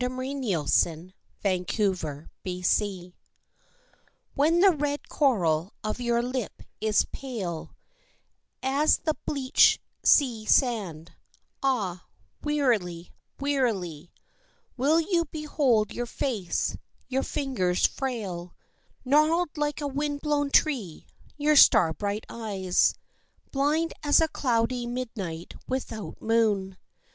XXVI A South Sea Lover Scorned When the red coral of your lip is pale As the bleached sea sand, ah, wearily, wearily, Will you behold your face, your fingers frail, Gnarled like a wind blown tree; your star bright eyes Blind as a cloudy midnight without moon.